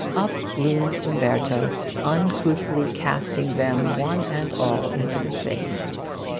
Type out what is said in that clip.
Up looms Umberto, uncouthly casting them one and all into the shade.